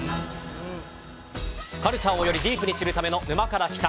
カルチャーをよりディープに知るための「沼から来た。」。